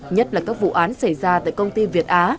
nhất là các vụ án xảy ra tại công ty việt á